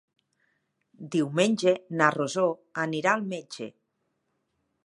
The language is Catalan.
Diumenge na Rosó anirà al metge.